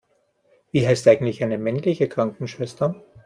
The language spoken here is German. Wie heißt eigentlich eine männliche Krankenschwester?